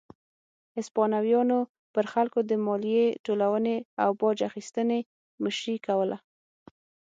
هسپانویانو پر خلکو د مالیې ټولونې او باج اخیستنې مشري کوله.